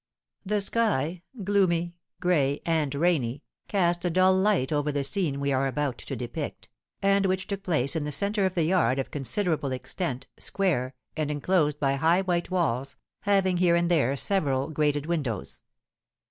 The sky, gloomy, gray, and rainy, cast a dull light over the scene we are about to depict, and which took place in the centre of the yard of considerable extent, square, and enclosed by high white walls, having here and there several grated windows.